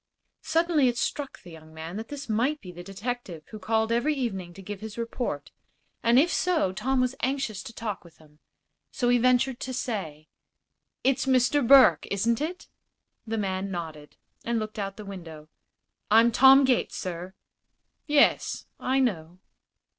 Suddenly it struck the young man that this might be the detective who called every evening to give his report, and if so Tom was anxious to talk with him. So he ventured to say: "It's Mr. Burke, isn't it?" The man nodded, and looked out of the window. "I'm Tom Gates, sir." "Yes; I know."